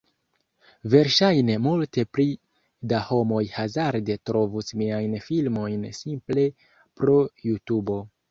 Verŝajne multe pli da homoj hazarde trovus miajn filmojn simple pro JuTubo